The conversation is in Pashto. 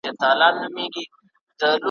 د خپل مرام د حصول ھرامکان مې ولټوو